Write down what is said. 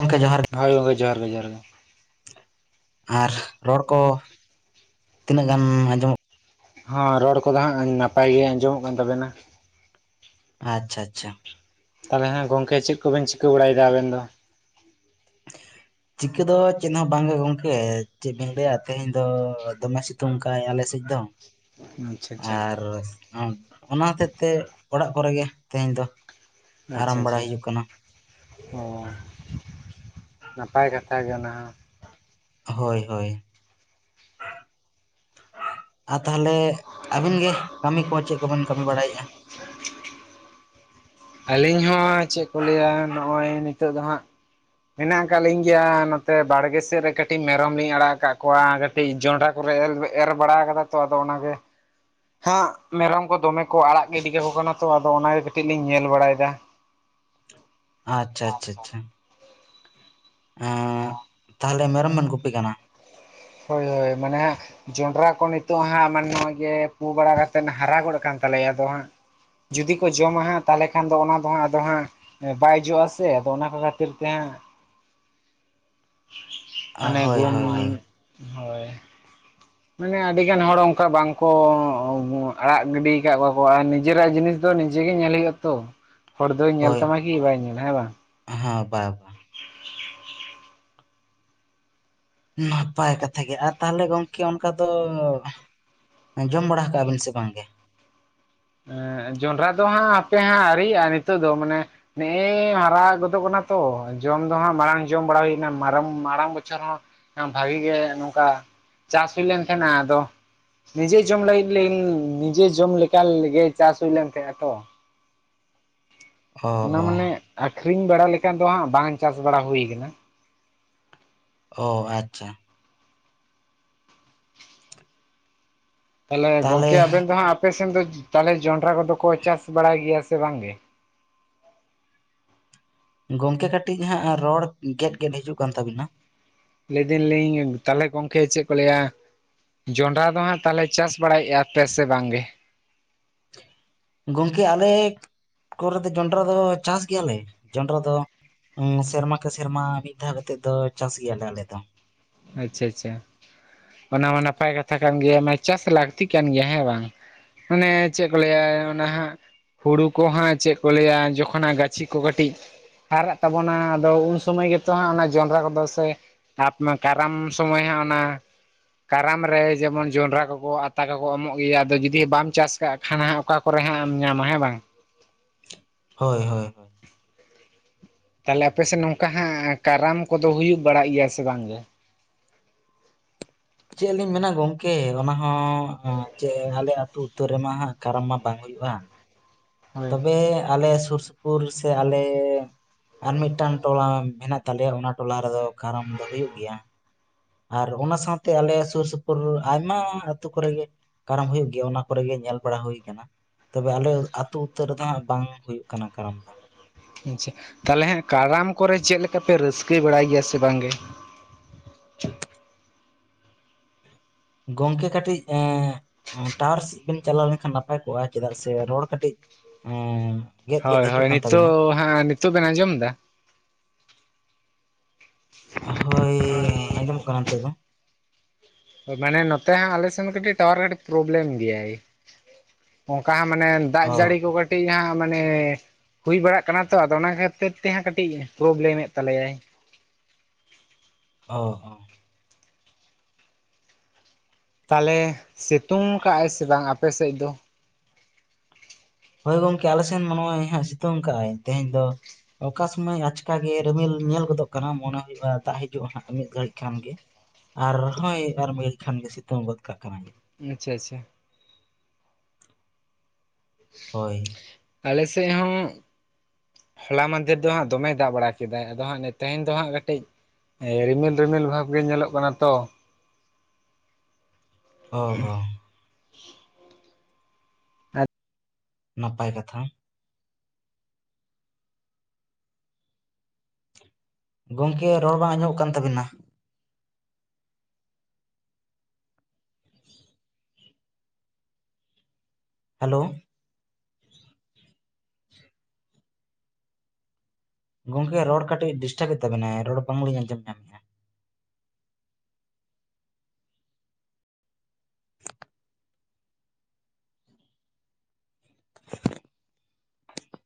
ᱜᱚᱢᱠᱮ ᱡᱚᱦᱟᱨ ᱜᱮ ᱦᱳᱭ ᱜᱚᱝᱠᱮ ᱡᱚᱦᱟᱨ ᱜᱮ ᱡᱚᱦᱟᱨ ᱜᱮ ᱟᱨ ᱨᱚᱲ ᱠᱚ ᱛᱤᱱᱟᱹᱜ ᱜᱟᱱ ᱟᱸᱡᱚᱢᱚᱜ᱾ ᱦᱚᱸ ᱨᱚᱲ ᱠᱚᱫᱚ ᱦᱟᱸᱜ ᱱᱟᱯᱟᱭ ᱜᱮ ᱟᱸᱡᱚᱢᱚᱜ ᱠᱟᱱ ᱛᱟᱵᱮᱱᱟ᱾ ᱟᱪᱪᱷᱟ ᱟᱪᱪᱷᱟ᱾ ᱛᱟᱦᱟᱞᱮ ᱦᱟᱸᱜ ᱜᱚᱢᱠᱮ ᱪᱮᱫ ᱠᱚᱵᱮᱱ ᱪᱤᱠᱟᱹ ᱵᱟᱲᱟᱭᱮᱫᱟ ᱟᱵᱮᱱ ᱫᱚ? ᱪᱤᱠᱟᱹ ᱫᱚ ᱪᱮᱫ ᱦᱚᱸ ᱵᱟᱝᱟ ᱜᱚᱝᱠᱮ ᱪᱮᱫ ᱵᱤᱱ ᱞᱟᱹᱭᱟ ᱛᱮᱦᱮᱧ ᱫᱚ ᱫᱚᱢᱮ ᱥᱤᱛᱩᱝ ᱠᱟᱜᱟᱭ ᱟᱞᱮ ᱥᱮᱫ ᱫᱚ᱾ ᱟᱪᱪᱷᱟ ᱟᱪᱪᱷᱟ ᱟᱨ ᱚᱱᱟ ᱦᱚᱛᱮᱡ ᱛᱮ ᱚᱲᱟᱜ ᱠᱚᱨᱮ ᱜᱮ ᱛᱮᱦᱮᱧ ᱫᱚ᱾ ᱟᱪᱪᱷᱟ ᱟᱨᱟᱢ ᱟᱪᱪᱷᱟ ᱵᱟᱲᱟᱭ ᱦᱩᱭᱩᱜ ᱠᱟᱱᱟ ᱚ ᱱᱟᱯᱟᱭ ᱠᱟᱛᱷᱟ ᱜᱮ ᱚᱱᱟ ᱦᱚᱸ᱾ ᱦᱳᱭ ᱦᱳᱭ ᱟᱨ ᱛᱟᱦᱚᱞᱮ ᱟᱹᱵᱤᱱ ᱜᱮ ᱠᱟᱹᱢᱤ ᱠᱚ ᱪᱮᱫ ᱠᱚᱵᱮᱱ ᱠᱟᱹᱢᱤ ᱵᱟᱲᱟᱭᱮᱫᱼᱟ? ᱟᱹᱞᱤᱧ ᱦᱚᱸ ᱪᱮᱫ ᱠᱚ ᱞᱟᱹᱭᱟ ᱱᱚᱜᱼᱚᱭ ᱱᱤᱛᱚᱜ ᱫᱚ ᱦᱟᱸᱜ ᱢᱮᱱᱟᱜ ᱟᱠᱟᱫ ᱞᱤᱧ ᱜᱮᱭᱟ ᱱᱚᱛᱮ ᱵᱟᱲᱜᱮ ᱥᱮᱫ ᱨᱮ ᱠᱟᱹᱴᱤᱡ ᱢᱮᱨᱚᱢ ᱞᱤᱧ ᱟᱲᱟᱜ ᱟᱠᱟᱫ ᱠᱚᱣᱟᱹ ᱠᱟᱹᱴᱤᱡ ᱡᱚᱱᱰᱨᱟ ᱠᱚᱞᱮ ᱮᱨ ᱵᱟᱲᱟ ᱠᱟᱫᱟ ᱛᱚ ᱟᱫᱚ ᱚᱱᱟᱜᱮ ᱦᱟᱸᱜ ᱢᱮᱨᱚᱢ ᱠᱚ ᱫᱚᱢᱮ ᱠᱚ ᱟᱲᱟᱜ ᱜᱤᱰᱤ ᱠᱟᱠᱚ ᱠᱟᱱᱟ ᱛᱚ ᱟᱫᱚ ᱚᱱᱟᱜ ᱠᱟᱹᱴᱤᱡ ᱞᱤᱧ ᱧᱮᱞ ᱵᱟᱲᱟᱭᱮᱫᱟ᱾ ᱟᱪᱪᱷᱟ ᱟᱪᱪᱷᱟ ᱟᱪᱪᱷᱟ ᱦᱮᱸ ᱚ ᱛᱟᱦᱚᱞᱮ ᱢᱮᱨᱚᱢᱮᱢ ᱜᱩᱯᱤ ᱠᱟᱱᱟ? ᱦᱳᱭ ᱦᱳᱭ ᱢᱟᱱᱮ ᱦᱟ ᱡᱚᱸᱰᱨᱟ ᱠᱚ ᱱᱤᱛᱚᱜ ᱦᱟᱸᱜ ᱢᱟᱱᱮ ᱱᱚ-ᱚᱭ ᱜᱮ ᱯᱩ ᱵᱟᱲᱟ ᱠᱟᱛᱮᱫ ᱦᱟᱨᱟ ᱜᱚᱫ ᱟᱠᱟᱱ ᱛᱟᱞᱮᱭᱟ ᱟᱫᱚ ᱦᱟᱸᱜ ᱡᱩᱫᱤ ᱠᱚ ᱡᱚᱢᱟ ᱦᱟᱸᱜ ᱛᱟᱦᱚᱞᱮ ᱠᱷᱟᱱ ᱫᱚ ᱚᱱᱟ ᱫᱚ ᱦᱟᱸᱜ ᱟᱫᱚ ᱦᱟᱸᱜ ᱵᱟᱭ ᱡᱚᱜᱼᱟᱥᱮ ᱟᱫᱚ ᱚᱱᱟ ᱠᱚ ᱠᱷᱟᱹᱛᱤᱨ ᱛᱮ ᱦᱟᱸᱜ᱾ [inaudible] ᱢᱟᱱᱮ ᱦᱳᱭ ᱜᱩᱢ ᱦᱳᱭ ᱦᱳᱭ ᱦᱳᱭ ᱢᱟᱱᱮ ᱟᱹᱰᱤᱜᱟᱱ ᱦᱚᱲ ᱚᱱᱠᱟ ᱵᱟᱝᱠᱚ ᱟᱲᱟᱜ ᱜᱤᱰᱤ ᱟᱠᱟᱫ ᱠᱚᱣᱟᱠᱚ ᱟᱨ ᱱᱤᱡᱮᱨᱟᱜ ᱡᱤᱱᱤᱥ ᱫᱚ ᱱᱤᱡᱮ ᱜᱮ ᱧᱮᱞ ᱦᱳᱭᱳᱜ ᱛᱚ ᱦᱚᱲ ᱫᱚᱭ ᱧᱮᱞ ᱦᱳᱭ ᱛᱟᱢᱟ ᱠᱤ ᱵᱟᱭ ᱧᱮᱞᱟ ᱦᱮᱸ ᱵᱟᱝ? ᱦᱮᱸ ᱵᱟᱭ ᱱᱟᱯᱟᱭ ᱠᱟᱛᱷᱟ ᱜᱮ ᱟᱨ ᱛᱟᱦᱟᱞᱮ ᱜᱚᱝᱠᱮ ᱚᱱᱠᱟ ᱫᱚ ᱡᱚᱢ ᱵᱟᱲᱟ ᱠᱟᱜ ᱵᱤᱱ ᱥᱮ ᱵᱟᱝᱜᱮ? ᱡᱚᱸᱰᱨᱟ ᱫᱚ ᱦᱟᱸᱜ ᱟᱯᱮ ᱦᱟᱸᱜ ᱟᱣᱹᱨᱤᱭᱟᱜᱼᱟ ᱱᱤᱛᱚᱜ ᱫᱚ ᱢᱟᱱᱮ ᱱᱮᱜᱼᱮ ᱦᱟᱨᱟ ᱜᱚᱫᱚᱜ ᱠᱟᱱᱟ ᱛᱚ ᱡᱚᱢ ᱫᱚ ᱦᱟᱸᱜ ᱢᱟᱲᱟᱝ ᱡᱚᱢ ᱵᱟᱲᱟ ᱦᱩᱭᱱᱟᱝ ᱢᱟᱨᱟᱝ ᱵᱚᱪᱷᱚᱨ ᱦᱚᱸ ᱵᱷᱟᱜᱤ ᱜᱮ ᱱᱚᱝᱠᱟ ᱪᱟᱥ ᱦᱩᱭ ᱞᱮᱱ ᱛᱟᱦᱮᱸᱱᱟ ᱟᱫᱚ ᱱᱤᱡᱮ ᱡᱚᱢ ᱞᱟᱹᱜᱤᱫ ᱱᱤᱡᱮ ᱡᱚᱢ ᱞᱮᱠᱟᱜᱮ ᱪᱟᱥ ᱦᱩᱭ ᱞᱮᱱ ᱛᱟᱦᱮᱸᱜᱼᱟ ᱛᱚ᱾ ᱚ ᱚᱱᱟ ᱚ ᱢᱟᱱᱮ ᱟᱠᱠᱷᱨᱤᱧ ᱵᱟᱲᱟ ᱞᱮᱠᱷᱟᱱ ᱫᱚ ᱦᱟᱸᱜ ᱵᱟᱝ ᱪᱟᱥ ᱵᱟᱲᱟ ᱦᱩᱭ ᱟᱠᱟᱱᱟ᱾ ᱚ ᱟᱪᱪᱷᱟ ᱛᱟᱦᱟᱞᱮ ᱛᱟᱦᱚᱞᱮ ᱜᱚᱝᱠᱮ ᱟᱵᱮᱱ ᱫᱚ ᱦᱟᱸᱜ ᱟᱞᱮᱥᱮᱱ ᱫᱚ ᱛᱟᱦᱟᱞᱮ ᱡᱚᱱᱰᱨᱟ ᱠᱚᱫᱚ ᱠᱚ ᱪᱟᱥ ᱵᱟᱲᱟᱭ ᱜᱮᱭᱟ ᱥᱮ ᱵᱟᱝ ᱜᱮ? ᱜᱚᱝᱠᱮ ᱠᱟᱹᱴᱤᱡ ᱦᱟᱸᱜ ᱨᱚᱲ ᱜᱮᱫ ᱜᱮᱫ ᱦᱤᱡᱩᱜ ᱠᱟᱱ ᱛᱟᱵᱤᱱᱟ᱾ ᱞᱟᱹᱭᱮᱫᱤᱱ ᱞᱤᱧ ᱛᱟᱦᱚᱞᱮ ᱜᱚᱢᱠᱮ ᱪᱮᱫ ᱠᱚ ᱞᱟᱹᱭᱟ ᱡᱚᱱᱰᱨᱟ ᱫᱚ ᱦᱟᱸᱜ ᱛᱟᱦᱚᱞᱮ ᱪᱟᱥ ᱵᱟᱲᱟᱭᱮᱫᱼᱟᱯᱮ ᱥᱮ ᱵᱟᱝᱜᱮ? ᱜᱚᱝᱠᱮ ᱟᱞᱮ ᱠᱚᱨᱮ ᱫᱚ ᱡᱚᱱᱰᱨᱟ ᱫᱚ ᱪᱟᱥ ᱜᱮᱭᱟᱞᱮ ᱡᱚᱱᱰᱨᱟ ᱫᱚ᱾ ᱥᱮᱨᱢᱟ ᱠᱮ ᱥᱮᱨᱢᱟ ᱢᱤᱫ ᱫᱷᱟᱣ ᱠᱟᱛᱮᱜ ᱫᱚ ᱪᱟᱥ ᱜᱮᱭᱟᱞᱮ ᱟᱞᱮ ᱫᱚ᱾ ᱟᱪᱪᱷᱟ ᱟᱪᱪᱷᱟ ᱚᱱᱟ ᱢᱟ ᱱᱟᱯᱟᱭ ᱠᱟᱛᱷᱟ ᱠᱟᱱ ᱜᱮᱭᱟ ᱢᱟᱱᱮ ᱪᱟᱥ ᱞᱟᱹᱠᱛᱤᱜ ᱠᱟᱱ ᱜᱮᱭᱟ ᱦᱮᱸ ᱵᱟᱝ᱾ ᱢᱟᱱᱮ ᱪᱮᱫ ᱠᱚ ᱞᱟᱹᱭᱟ ᱚᱱᱟ ᱦᱟᱸᱜ ᱦᱩᱲᱩ ᱠᱚ ᱦᱟᱸᱜ ᱪᱮᱫ ᱠᱚ ᱞᱟᱹᱭᱟ ᱡᱚᱠᱷᱚᱱ ᱦᱟᱜ ᱜᱟᱹᱪᱷᱤ ᱠᱚ ᱠᱟᱹᱴᱤᱡ ᱦᱟᱨᱟᱜ ᱛᱟᱵᱚᱱᱟ ᱟᱫᱚ ᱩᱱ ᱥᱚᱢᱚᱭ ᱜᱮᱛᱚ ᱦᱟᱸᱜ ᱚᱱᱟ ᱡᱚᱱᱰᱟᱨᱟ ᱠᱚᱫᱚ ᱥᱮ ᱟᱯ ᱠᱟᱨᱟᱢ ᱥᱚᱢᱚᱭ ᱦᱟᱸᱜ ᱚᱱᱟ ᱠᱟᱨᱟᱢ ᱨᱮ ᱡᱮᱢᱚᱱ ᱡᱚᱱᱰᱚᱨᱟ ᱠᱚᱠᱚ ᱟᱛᱟ ᱠᱚᱠᱚ ᱮᱢᱚᱜ ᱜᱮᱭᱟ ᱟᱫᱚ ᱡᱩᱫᱤ ᱵᱟᱢ ᱪᱟᱥ ᱠᱟᱜ ᱠᱷᱟᱱ ᱦᱟᱸᱜ ᱚᱠᱟ ᱠᱚᱨᱮ ᱦᱟᱸᱜ ᱮᱢ ᱧᱟᱢᱟ ᱦᱮᱸ ᱵᱟᱝ᱾ ᱦᱳᱭ ᱦᱚᱭ ᱛᱟᱦᱚᱞᱮ ᱟᱯᱮ ᱥᱮᱫ ᱱᱚᱝᱠᱟ ᱦᱟᱸᱜ ᱠᱟᱨᱟᱢ ᱠᱚᱫᱚ ᱦᱩᱭᱩᱜ ᱵᱟᱲᱟᱜ ᱜᱮᱭᱟ ᱥᱮ ᱵᱟᱝ ᱜᱮ ᱪᱮᱫ ᱞᱤᱧ ᱢᱮᱱᱟ ᱜᱚᱝᱠᱮ ᱚᱱᱟ ᱦᱚᱸ ᱪᱮᱫ ᱟᱞᱮ ᱟᱹᱛᱩ ᱩᱛᱟᱹᱨ ᱨᱮᱢᱟ ᱦᱟᱜ ᱠᱟᱨᱟᱢ ᱢᱟ ᱵᱟᱝ ᱦᱩᱭᱩᱜᱼᱟ ᱦᱳᱭ ᱛᱚᱵᱮ ᱟᱞᱮ ᱥᱩᱨ ᱥᱩᱯᱩᱨ ᱥᱮ ᱟᱞᱮ ᱟᱨ ᱢᱤᱫᱴᱟᱝ ᱴᱚᱞᱟ ᱢᱮᱱᱟᱜ ᱛᱟᱞᱮᱭᱟ ᱚᱱᱟ ᱴᱚᱞᱟ ᱨᱮᱫᱚ ᱠᱟᱨᱟᱢ ᱫᱚ ᱦᱩᱭᱩᱜ ᱜᱮᱭᱟ᱾ ᱟᱨ ᱚᱱᱟ ᱥᱟᱶᱛᱮ ᱟᱞᱮ ᱥᱩᱨ ᱥᱩᱯᱩᱨ ᱟᱭᱢᱟ ᱟᱹᱛᱩ ᱠᱚᱨᱮ ᱜᱮ ᱠᱟᱨᱟᱢ ᱦᱩᱭᱩᱜ ᱜᱮᱭᱟ ᱚᱱᱟ ᱠᱚᱨᱮ ᱜᱮ ᱧᱮᱞ ᱵᱟᱲᱟ ᱦᱩᱭ ᱟᱠᱟᱱᱟ᱾ ᱛᱚᱵᱮ ᱟᱞᱮ ᱟᱹᱛᱩ ᱩᱛᱟᱹᱨ ᱨᱮᱫᱚ ᱦᱟᱜ ᱵᱟᱝ ᱦᱩᱭᱩᱜ ᱠᱟᱱᱟ ᱠᱟᱨᱚᱱ ᱫᱚ ᱟᱪᱪᱷᱟ ᱛᱟᱦᱚᱞᱮ ᱦᱮᱸ ᱠᱟᱨᱟᱢ ᱠᱚᱨᱮ ᱪᱮᱫ ᱞᱮᱠᱟ ᱯᱮ ᱨᱟᱹᱥᱠᱟᱹ ᱵᱟᱲᱟᱭ ᱜᱮᱭᱟ ᱥᱮ ᱵᱟᱝᱜᱮ ᱜᱚᱝᱠᱮ ᱠᱟᱹᱴᱤᱡ ᱮ ᱴᱟᱣᱟᱨ ᱥᱮᱫ ᱵᱮᱱ ᱪᱟᱞᱟᱣ ᱞᱮᱱᱠᱷᱟᱱ ᱱᱟᱯᱟᱭ ᱠᱚᱜᱼᱟ ᱪᱮᱫᱟᱜ ᱥᱮ ᱨᱚᱲ ᱠᱟᱹᱴᱤᱡ ᱦᱩᱸ ᱦᱳᱭ ᱦᱳᱭ ᱱᱤᱛᱚᱜ ᱦᱮᱸ ᱱᱤᱛᱚᱜ ᱵᱮᱱ ᱟᱸᱡᱚᱢ ᱮᱫᱟ ᱦᱳᱭ ᱟᱸᱡᱚᱢᱚᱠ ᱠᱟᱱᱟ ᱱᱤᱛᱚᱝ ᱫᱚ ᱢᱟᱱᱮ ᱱᱚᱛᱮ ᱟᱞᱮᱥᱮᱱ ᱫᱚ ᱠᱟᱹᱴᱤᱡ ᱴᱟᱣᱟᱨ ᱠᱟᱹᱴᱤᱡ ᱯᱨᱚᱵᱞᱮᱢ ᱜᱮᱭᱟᱭ ᱚᱱᱠᱟ ᱢᱟᱱᱮ ᱫᱟᱜ ᱚ ᱡᱟᱹᱲᱤ ᱠᱚ ᱠᱟᱴᱤᱡ ᱠᱟᱹᱴᱤᱡ ᱦᱟᱸᱜ ᱢᱟᱱᱮ ᱦᱩᱭ ᱵᱟᱲᱟᱜ ᱠᱟᱱᱟ ᱛᱚ ᱚᱱᱟ ᱠᱷᱟᱹᱛᱤᱨ ᱛᱮ ᱦᱟᱸᱜ ᱠᱟᱹᱴᱤᱡ ᱯᱨᱚᱵᱞᱮᱢ ᱮᱫ ᱛᱟᱞᱮᱭᱟᱭ ᱚ ᱚ ᱛᱟᱦᱚᱞᱮ ᱥᱤᱛᱩᱝ ᱠᱟᱜᱼᱟᱭ ᱥᱮ ᱵᱟᱝ ᱟᱯᱮ ᱥᱮᱫ ᱫᱚ ᱦᱳᱭ ᱜᱚᱢᱠᱮ ᱟᱞᱮ ᱥᱮᱱ ᱢᱟ ᱦᱟᱸᱜ ᱥᱤᱛᱩᱝ ᱠᱟᱜ ᱟᱭ ᱛᱮᱦᱮᱧ ᱫᱚ, ᱚᱠᱟ ᱥᱩᱢᱚᱭ ᱟᱪᱠᱟ ᱜᱮ ᱨᱤᱢᱤᱞ ᱧᱮᱞ ᱜᱚᱫᱚᱜ ᱠᱟᱱᱟ ᱢᱚᱱᱮ ᱦᱩᱭᱩᱜᱼᱟ ᱫᱟᱜ ᱦᱤᱡᱩᱜᱼᱟ ᱦᱟᱸᱜ ᱢᱤᱫ ᱜᱷᱟᱹᱲᱤᱡ ᱠᱷᱟᱱ ᱜᱮ᱾ ᱟᱨ ᱦᱚᱸᱭ ᱟᱨ ᱢᱤᱫ ᱠᱷᱟᱱ ᱜᱮ ᱥᱤᱛᱩᱝ ᱜᱚᱫ ᱠᱟᱜ ᱠᱟᱱᱟᱭ ᱟᱪᱪᱷᱟ ᱟᱪᱪᱷᱟ ᱦᱳᱭ ᱟᱞᱮ ᱥᱮᱫ ᱦᱚᱸ ᱦᱚᱞᱟ ᱢᱟᱫᱷᱮᱨ ᱫᱚ ᱦᱟᱸᱜ ᱫᱚᱢᱮ ᱫᱟᱜ ᱵᱟᱲᱟ ᱠᱮᱫᱟᱭ ᱟᱫᱚ ᱦᱟᱸᱜ ᱛᱮᱦᱮᱧ ᱫᱚ ᱦᱟᱸᱜ ᱠᱟᱹᱴᱤᱡ ᱨᱤᱢᱤᱞ ᱨᱤᱢᱤᱞ ᱵᱷᱟᱵᱽ ᱜᱮ ᱧᱮᱞᱚᱜ ᱠᱟᱱᱟ ᱛᱚ ᱚ ᱚ [inaudible] ᱱᱟᱯᱟᱭ ᱠᱟᱛᱷᱟ ᱜᱚᱢᱠᱮ ᱨᱚᱲ ᱵᱟᱝ ᱟᱸᱡᱚᱢᱚᱜ ᱠᱟᱱ ᱛᱟᱵᱤᱱᱟ ᱦᱮᱞᱳ ᱜᱚᱝᱠᱮ ᱨᱚᱲ ᱠᱟᱹᱴᱤᱡ ᱰᱤᱥᱴᱟᱵ ᱮᱫ ᱛᱟᱵᱮᱱᱟᱭ ᱨᱚᱲ ᱵᱟᱝ ᱞᱤᱧ ᱟᱸᱡᱚᱢ ᱧᱟᱢᱮᱭᱟ [unintelligible]